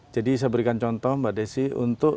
jadi saya berikan contoh mbak desy untuk